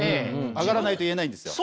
上がらないと言えないんですよ。